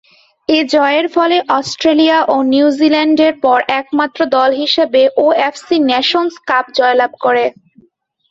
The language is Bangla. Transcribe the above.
এ জয়ের ফলে অস্ট্রেলিয়া ও নিউজিল্যান্ডের পর একমাত্র দল হিসেবে ওএফসি নেশন্স কাপ জয়লাভ করে।